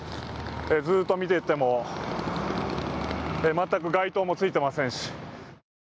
ずっと見ていっても全く街灯もついていませんし。